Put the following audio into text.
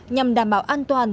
nhằm đảm bảo an toàn